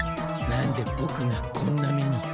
何でぼくがこんな目に。